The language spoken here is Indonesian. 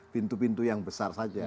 pintu pintu yang besar saja